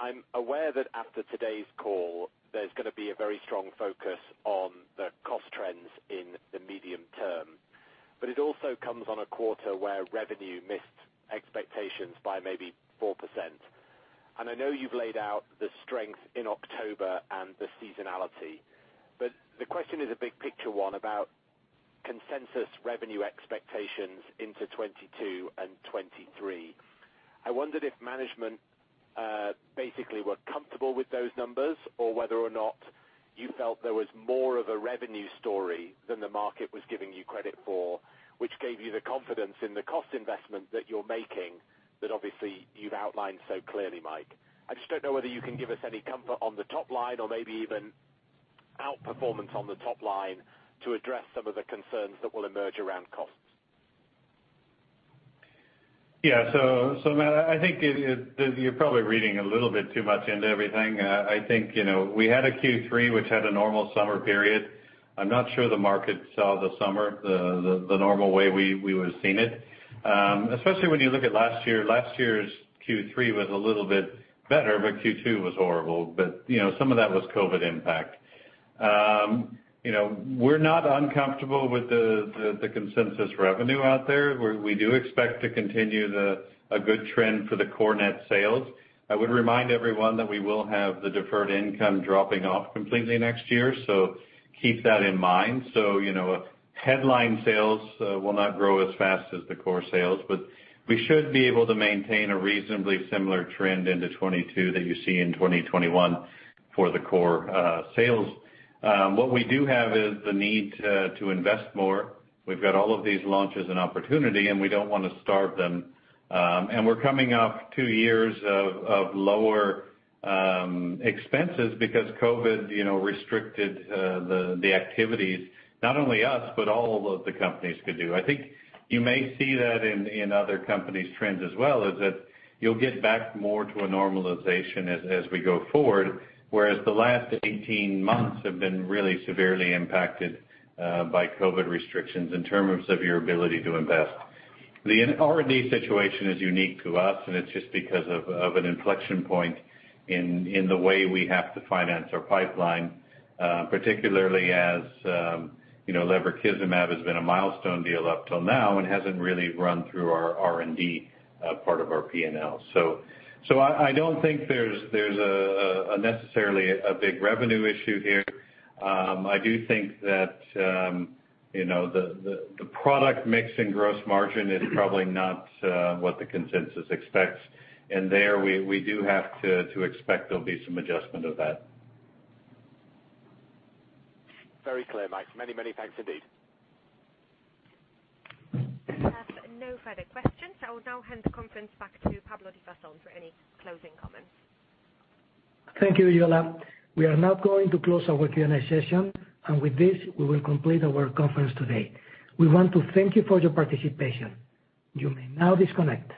I'm aware that after today's call, there's going to be a very strong focus on the cost trends in the medium term. It also comes on a quarter where revenue missed expectations by maybe 4%. I know you've laid out the strength in October and the seasonality, but the question is a big picture one about consensus revenue expectations into 2022 and 2023. I wondered if management basically were comfortable with those numbers or whether or not you felt there was more of a revenue story than the market was giving you credit for, which gave you the confidence in the cost investment that you're making that obviously you've outlined so clearly, Mike. I just don't know whether you can give us any comfort on the top line or maybe even outperformance on the top line to address some of the concerns that will emerge around costs. Matt, I think you're probably reading a little bit too much into everything. I think, you know, we had a Q3 which had a normal summer period. I'm not sure the market saw the summer the normal way we would've seen it. Especially when you look at last year, last year's Q3 was a little bit better, but Q2 was horrible. You know, some of that was COVID impact. You know, we're not uncomfortable with the consensus revenue out there. We do expect to continue a good trend for the core net sales. I would remind everyone that we will have the deferred income dropping off completely next year, so keep that in mind. You know, headline sales will not grow as fast as the core sales, but we should be able to maintain a reasonably similar trend into 2022 that you see in 2021 for the core sales. What we do have is the need to invest more. We've got all of these launches and opportunity, and we don't want to starve them. We're coming off two years of lower expenses because COVID restricted the activities, not only us, but all of the companies could do. I think you may see that in other companies' trends as well, is that you'll get back more to a normalization as we go forward, whereas the last 18 months have been really severely impacted by COVID restrictions in terms of your ability to invest. The R&D situation is unique to us, and it's just because of an inflection point in the way we have to finance our pipeline, particularly as, you know, lebrikizumab has been a milestone deal up till now and hasn't really run through our R&D part of our P&L. I don't think there's necessarily a big revenue issue here. I do think that, you know, the product mix and gross margin is probably not what the consensus expects, and there we do have to expect there'll be some adjustment of that. Very clear, Mike. Many, many thanks indeed. We have no further questions. I will now hand the conference back to Pablo Divasson for any closing comments. Thank you, Giola. We are now going to close our Q&A session, and with this, we will complete our conference today. We want to thank you for your participation. You may now disconnect.